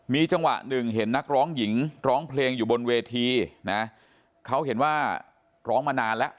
มีจังหวะหนึ่งเห็นนักร้องหญิงร้องเพลงอยู่บนเวทีนะเขาเห็นว่าร้องมานานแล้ว